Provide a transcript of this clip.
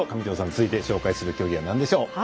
上條さん、続いて紹介する競技、なんでしょう？